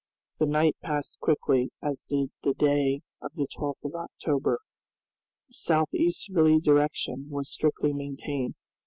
The night passed quickly, as did the day of the 12th of October. A south easterly direction was strictly maintained.